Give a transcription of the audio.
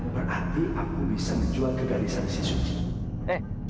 berarti aku bisa menjual kegarisan si suci